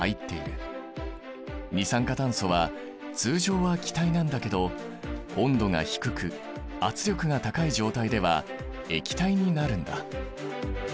二酸化炭素は通常は気体なんだけど温度が低く圧力が高い状態では液体になるんだ。